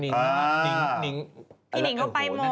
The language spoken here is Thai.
พี่นิ้งก็ไปหมด